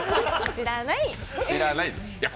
知らないっ。